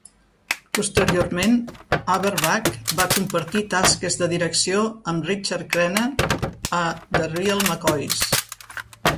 Posteriorment, Averback va compartir tasques de direcció amb Richard Crenna a "The Real McCoys".